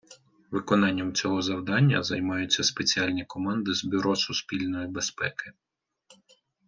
Виконанням цього завдання займаються спеціальні команди з Бюро Суспільної Безпеки.